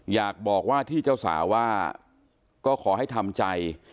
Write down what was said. อยากบอกว่าที่เจ้าสาวว่าก็ขอให้ทำใจ